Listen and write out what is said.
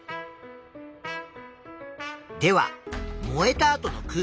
では燃えた後の空気。